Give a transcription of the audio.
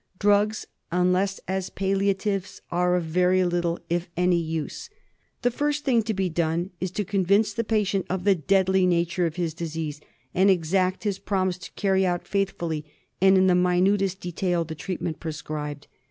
Drugs, unless as palliatives, are of very little, if any use. The first thing to be done is to convince the patient of the deadly nature of his disease, and exact his promise to carry out faithfully and in the minutest detail the treatment prescribed.